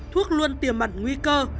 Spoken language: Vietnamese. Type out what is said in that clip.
thuốc luôn tiềm mặt nguy cơ